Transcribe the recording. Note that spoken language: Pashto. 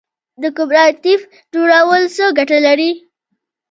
د کوپراتیف جوړول څه ګټه لري؟